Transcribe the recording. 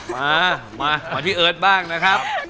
มามาที่เอิร์ทบ้างนะครับ